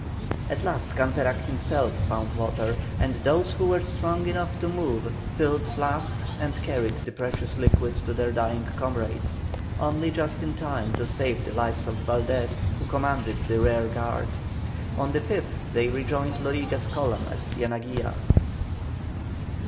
At last Canterac himself found water; and those who were strong enough to move filled flasks and carried the precious liquid to their dying comrades, only just in time to save the life of Valdés, who commanded the rear guard. On the 5th they rejoined Loriga's column at Cienaguilla.